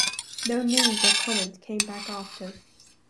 No news or comment came back after.